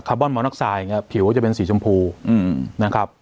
คาร์บอนมองนอกไซด์อย่างเงี้ยผิวก็จะเป็นสีชมพูอืมนะครับ